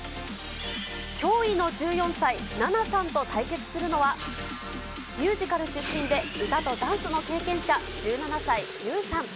驚異の１４歳、ナナさんと対決するのは、ミュージカル出身で歌とダンスの経験者、１７歳ユウさん。